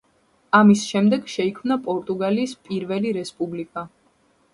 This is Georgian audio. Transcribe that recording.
ამის შემდეგ შეიქმნა პორტუგალიის პირველი რესპუბლიკა.